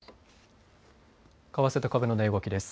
為替と株の値動きです。